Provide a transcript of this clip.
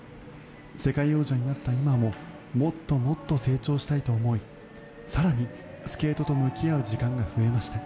世界王者になった今ももっともっと成長したいと思い更にスケートと向き合う時間が増えました。